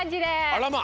あらま！